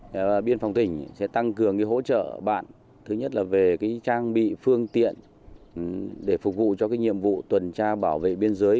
và biên phòng tỉnh sẽ tăng cường hỗ trợ bạn thứ nhất là về trang bị phương tiện để phục vụ cho nhiệm vụ tuần tra bảo vệ biên giới